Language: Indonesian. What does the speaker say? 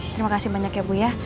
terima kasih banyak ya bu ya